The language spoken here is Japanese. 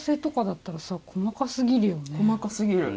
細かすぎる。